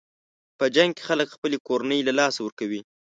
په جنګ کې خلک خپلې کورنۍ له لاسه ورکوي.